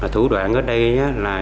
thủ đoạn ở đây là